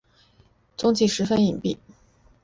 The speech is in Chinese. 踪迹十分隐蔽。